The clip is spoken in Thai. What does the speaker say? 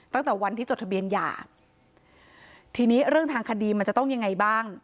ตั้งแต่วันที่จดทะเบียนหย่าทีนี้เรื่องทางคดีมันจะต้องยังไงบ้าง